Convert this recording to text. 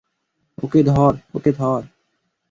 ওকে ধর, ওকে ধর!